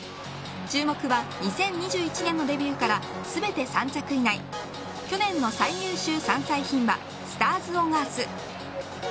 注目は、２０２１年のデビューから全て３着以内去年の最優秀３歳牝馬スターズオンアース。